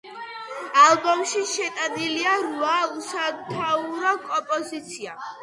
ალბომში შეტანილია რვა უსათაურო კომპოზიცია.